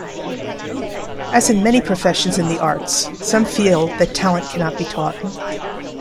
As in many professions in the arts, some feel that talent cannot be taught.